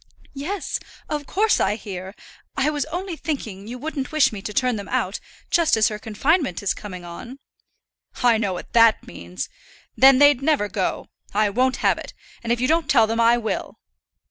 "Yes; of course I hear. I was only thinking you wouldn't wish me to turn them out, just as her confinement is coming on." "I know what that means. Then they'd never go. I won't have it; and if you don't tell them I will."